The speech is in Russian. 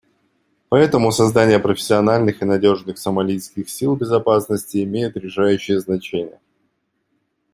Поэтому создание профессиональных и надежных сомалийских сил безопасности имеет решающее значение.